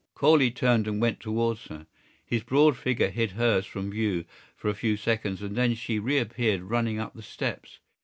Corley turned and went towards her. His broad figure hid hers from view for a few seconds and then she reappeared running up the steps.